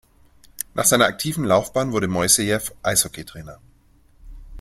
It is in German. Nach seiner aktiven Laufbahn wurde Moissejew Eishockeytrainer.